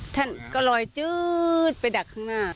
ท่านก็ลอยจื๊ดไปดักข้างหน้า